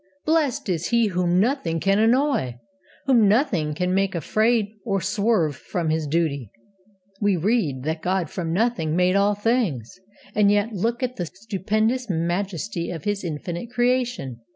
Blessed is he whom Nothing can annoy, whom Nothing can make afraid or swerve from his duty. We read that God from Nothing made all things. And yet look at the stupendous majesty of His infinite creation!